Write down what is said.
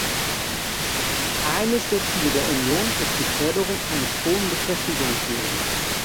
Eines der Ziele der Union ist die Förderung eines hohen Beschäftigungsniveaus.